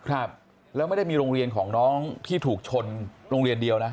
ครับแล้วไม่ได้มีโรงเรียนของน้องที่ถูกชนโรงเรียนเดียวนะ